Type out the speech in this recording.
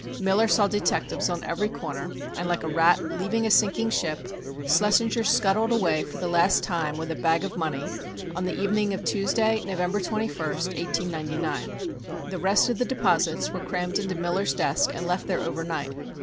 Miller saw detectives on every corner, and, like a rat leaving a sinking ship, Schlessinger scuttled away for the last time with a bag of money on the evening of Tuesday, November 21st, 1899. The rest of the deposits were crammed into Miller's desk and left there over night.